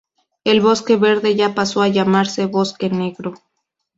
El Bosque Verde ya pasó a llamarse Bosque Negro.